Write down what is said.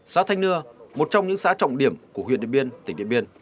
xã thanh nưa một trong những xã trọng điểm của huyện điện biên tỉnh điện biên